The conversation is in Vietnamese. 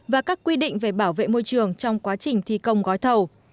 và các quy định về bảo vệ môi trường trong quá trình thi công gói thầu